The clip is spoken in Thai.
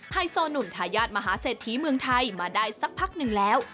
ไฮโซหนุ่มทายาทมหาเศรษฐีเมืองไทยมาได้สักพักหนึ่งแล้ว